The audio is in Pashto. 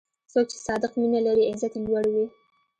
څوک چې صادق مینه لري، عزت یې لوړ وي.